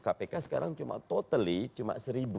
kpk sekarang cuma totally cuma seribu